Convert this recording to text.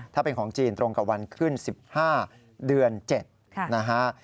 ถ้าเป็นของจีนตรงกับวันขึ้น๑๕เดือน๗นะฮะ